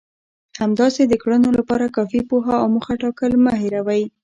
همداسې د کړنو لپاره کافي پوهه او موخه ټاکل مه هېروئ.